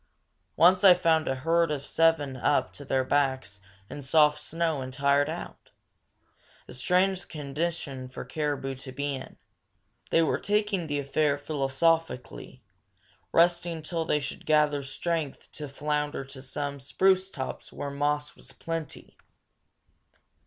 Once I found a herd of seven up to their backs in soft snow, and tired out, a strange condition for a caribou to be in. They were taking the affair philosophically, resting till they should gather strength to flounder to some spruce tops where moss was plenty.